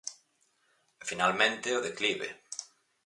E, finalmente, o declive.